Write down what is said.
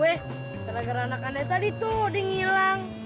eh tenaga anak anda tadi tuh udah ngilang